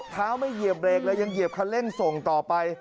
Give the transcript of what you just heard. ไม่เหยียบเบรกเลยยังเหยียบคันเร่งส่งต่อไป